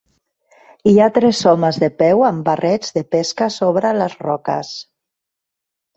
Hi ha tres homes de peu amb barrets de pesca sobre les roques.